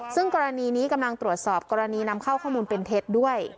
ซึ่งกรณีนี้กำลังตรวจสอบกรณีนำเข้าข้อมูลเป็นเท็จด้วย